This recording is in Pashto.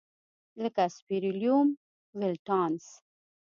لکه سپیریلوم ولټانس.